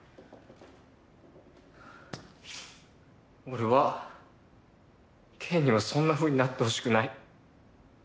俺はケイにはそんなふうになってほしくない。